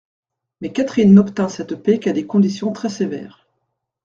Mais Catherine n'obtint cette paix qu'à des conditions très-sévères.